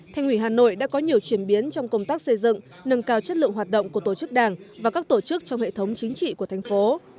thành ủy hà nội đã có nhiều chuyển biến trong công tác xây dựng nâng cao chất lượng hoạt động của tổ chức đảng và các tổ chức trong hệ thống chính trị của thành phố